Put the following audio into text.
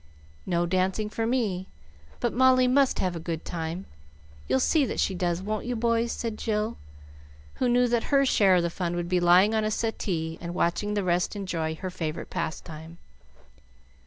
"No dancing for me, but Molly must have a good time. You'll see that she does, won't you, boys?" said Jill, who knew that her share of the fun would be lying on a settee and watching the rest enjoy her favorite pastime.